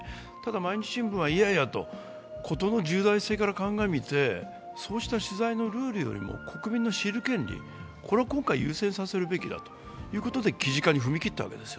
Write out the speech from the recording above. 毎日新聞はいやいや、事の重大性からかんがみて、そうした取材のルールよりも国民の知る権利を優先させるべきだと記事化に踏み切ったわけですよ。